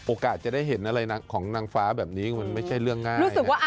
จะได้เห็นอะไรของนางฟ้าแบบนี้มันไม่ใช่เรื่องง่ายนะ